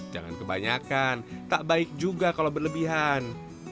jangan kebanyakan tak baik juga kalau berlebihan